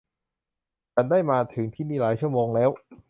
ฉันได้มาถึงที่นี่หลายชั่วโมงแล้ว